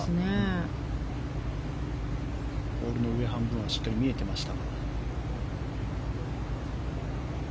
ボールの上半分はしっかり見えていました。